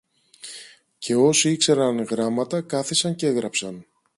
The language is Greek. Και όσοι ήξεραν γράμματα κάθισαν κι έγραψαν.